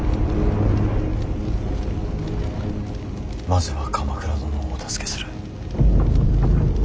まずは鎌倉殿をお助けする。